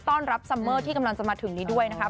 ต้อนรับซัมเมอร์ที่กำลังจะมาถึงนี้ด้วยนะคะ